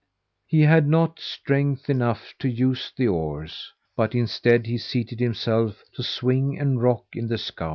He had not strength enough to use the oars, but instead, he seated himself to swing and rock in the scow.